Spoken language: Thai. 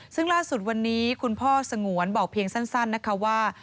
ซึ่งล่าสุดวันนี้คุณพ่อสงวนบอกเพียงสั้นนะคะว่า